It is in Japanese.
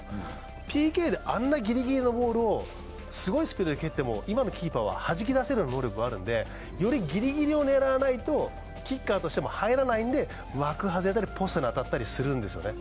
ＰＫであんなギリギリのボールをすごいスピードで蹴っても今のキーパーははじき出せる能力があるのでよりギリギリを狙わないとキッカーとしても入らないので枠外れたりポストに当たったりするんですよね。